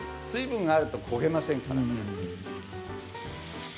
水分があると焦げませんから。